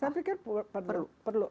saya pikir perlu